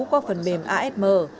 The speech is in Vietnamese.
qua phần mềm asm